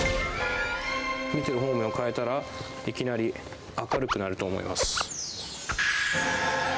見てる方面を変えたら、いきなり明るくなると思います。